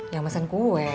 yang mesen kue